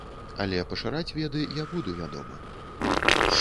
Але пашыраць веды я буду, вядома.